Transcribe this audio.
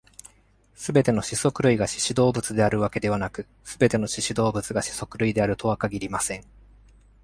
すべての四足類が四肢動物であるわけではなく、すべての四肢動物が四足類であるとは限りません。